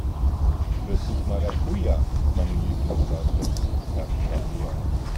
Pfirsich-Maracuja ist meine Lieblingssorte, sagt Rabea.